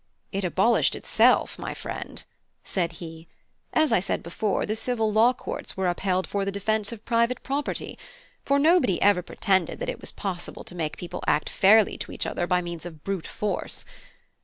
"It abolished itself, my friend," said he. "As I said before, the civil law courts were upheld for the defence of private property; for nobody ever pretended that it was possible to make people act fairly to each other by means of brute force.